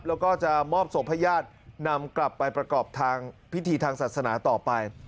แล้วก็จะมอบศพให้ญาตินำกลับไปประกอบทางพิธีทางศาสนาต่อไป